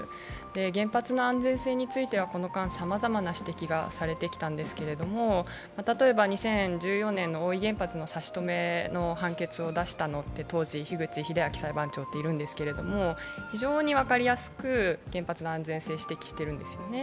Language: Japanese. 原発の安全性については、この間、さまざまな指摘がされてきたんですけど、例えば２０１４年の大飯原発の差し止めの判決を出したのって、当時、樋口裁判長というのがいたんですけど非常に分かりやすく原発の安全を指摘してるんですよね。